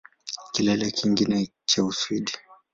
Kilele kingine cha Uswidi